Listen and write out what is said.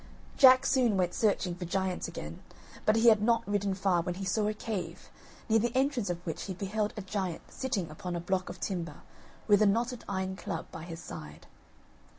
Jack soon went searching for giants again, but he had not ridden far, when he saw a cave, near the entrance of which he beheld a giant sitting upon a block of timber, with a knotted iron club by his side.